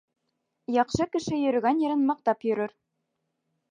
Яҡшы кеше йөрөгән ерен маҡтап йөрөр